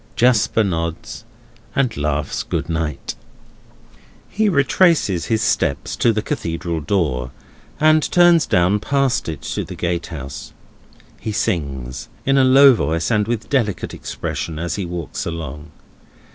Jasper nods, and laughs good night! He retraces his steps to the Cathedral door, and turns down past it to the gatehouse. He sings, in a low voice and with delicate expression, as he walks along.